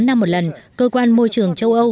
năm một lần cơ quan môi trường châu âu